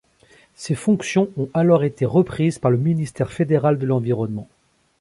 Ses fonctions ont alors été reprises par le ministère fédéral de l'Environnement.